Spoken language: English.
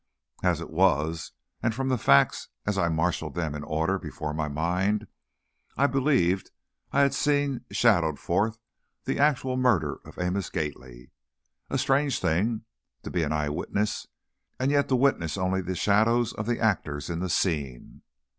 As it was, and from the facts as I marshaled them in order before my mind, I believed I had seen shadowed forth the actual murder of Amos Gately. A strange thing, to be an eye witness, and yet to witness only the shadows of the actors in the scene!